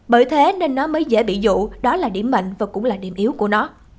bởi thế nên nó mới dễ bị dụ đó là điểm mạnh và cũng là điểm yếu của nó